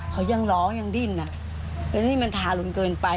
เขายังร้องยังดิ้นอ่ะแล้วนี่มันทารุณเกินไป